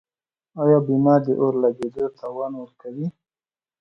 آیا بیمه د اور لګیدو تاوان ورکوي؟